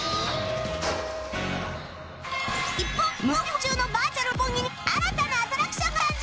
一方無料開放中のバーチャル六本木に新たなアトラクションが誕生！